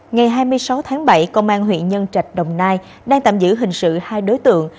ngày hai mươi sáu tháng bảy công an huyện nhân trạch đồng nai đang tạm giữ hình sự hai đối tượng